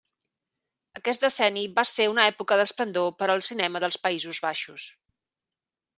Aquest decenni va ser una època d'esplendor per al cinema dels Països Baixos.